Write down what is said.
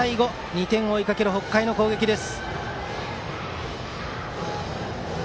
２点を追いかける北海の攻撃です。